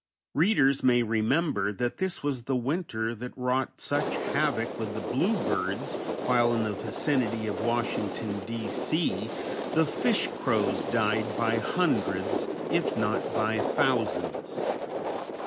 Readers may remember that this was the winter that wrought such havoc with the blue birds, while in the vicinity of Washington, D. C., the fish crows died by hundreds, if not by thousands.